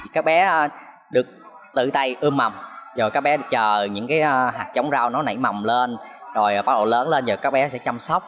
các bé được tự tay ươm mầm rồi các bé chờ những cái hạt chống rau nó nảy mầm lên rồi bắt đầu lớn lên rồi các bé sẽ chăm sóc